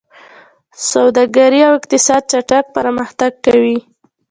سوداګري او اقتصاد چټک پرمختګ کوي.